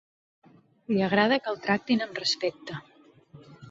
Li agrada que el tractin amb respecte.